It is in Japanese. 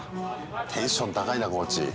テンション高いなコーチ。